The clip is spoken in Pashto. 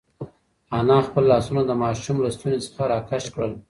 انا خپل لاسونه د ماشوم له ستوني څخه راکش کړل.